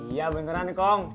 iya beneran kong